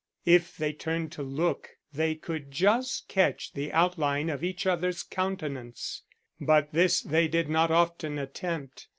If they turned to look they could just catch the outline of each other's countenance, but this they did not often attempt.